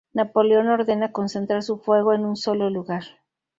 Napoleón ordena concentrar su fuego en un sólo lugar.